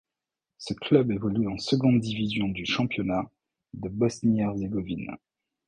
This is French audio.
Ce club évolue en seconde division du championnat de Bosnie-Herzégovine.